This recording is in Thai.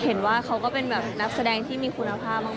ก็เห็นว่าเขาก็เป็นนักแสดงที่มีคุณภาพมากคนหนึ่ง